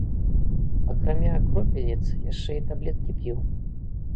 Акрамя кропельніц яшчэ і таблеткі п'ю.